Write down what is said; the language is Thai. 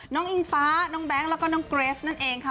อิงฟ้าน้องแบงค์แล้วก็น้องเกรสนั่นเองค่ะ